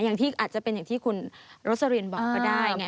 อย่างที่อาจจะเป็นอย่างที่คุณโรสลินบอกก็ได้ไง